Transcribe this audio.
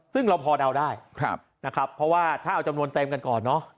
ซึ่งเราพอเดาได้นะครับเพราะว่าถ้าเอาจำนวนเต็มกันก่อนเนอะ